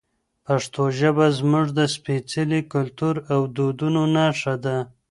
پښتو ژبه زموږ د سپېڅلي کلتور او دودونو نښه ده.